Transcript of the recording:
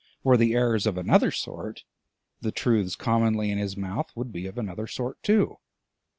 Were the errors of another sort, the truths commonly in his mouth would be of another sort too.